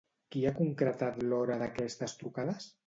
Qui ha concretat l'hora d'aquestes trucades?